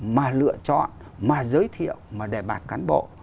mà lựa chọn mà giới thiệu mà đề bạt cán bộ